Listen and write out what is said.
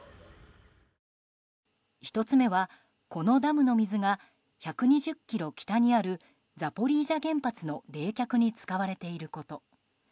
１つ目は、このダムの水が１２０ｋｍ北にあるザポリージャ原発の冷却に使われていること。